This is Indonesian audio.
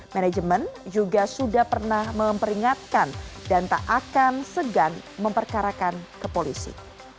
manajemen juga sudah pernah memperingatkan dan tak akan segan memperkarakan ke polisi